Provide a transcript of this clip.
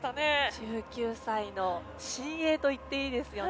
１９歳の新鋭といっていいですよね。